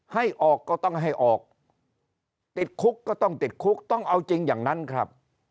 ให้ออกก็ต้องให้ออกติดคุกก็ต้องติดคุกต้องเอาจริงอย่างนั้นครับ